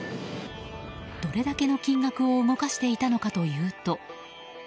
どれだけの金額を動かしていたのかというと。